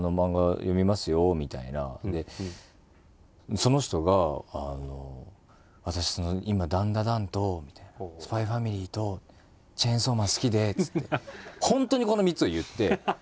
でその人が「私今『ダンダダン』と『ＳＰＹ×ＦＡＭＩＬＹ』と『チェンソーマン』好きで」っつって。本当にこの３つを言って。